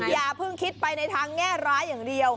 อย่าเพิ่งคิดไปในทางแง่ร้ายอย่างเดียว